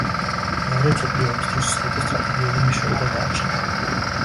მეორე მსოფლიო ომის დროს სრუტეს სტრატეგიული მნიშვნელობა გააჩნდა.